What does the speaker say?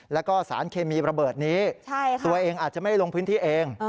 แล้วก็สารเคมีระเบิดนี้ตัวเองอาจจะไม่ได้ลงพื้นที่เอง